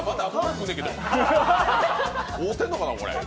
合うてんのかな、これ？